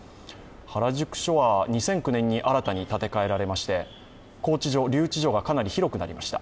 原宿署は２００９年に新たに建て替えられまして、留置所がある程度広くなりました。